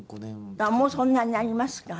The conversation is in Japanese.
もうそんなになりますか。